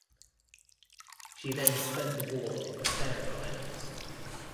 She then spent the War in the Faroe Islands.